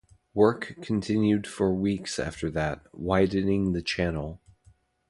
Work continued for weeks after that, widening the channel.